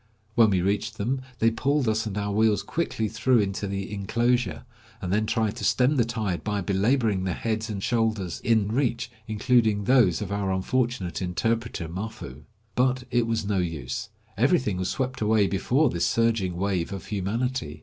When we reached them, they pulled us and our wheels quickly through into the inclosure, and then tried to stem the tide by belaboring the heads and shoulders in reach, including those of our unfortunate interpreter, Mafoo. But it was no use. Everything was swept away before this surging wave of humanity.